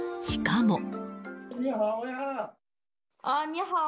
しかも。